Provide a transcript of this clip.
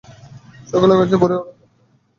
সকলের কাছে পরিচয় ওর হাবলু বলে।